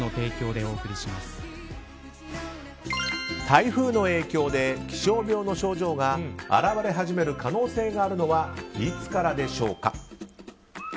台風の影響で気象病の症状が現れ始める可能性があるのはいつからでしょうか？